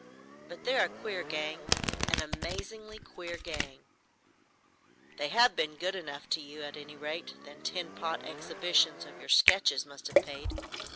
But they're a queer gang,—an amazingly queer gang!" "They have been good enough to you, at any rate. That tin pot exhibition of your sketches must have paid.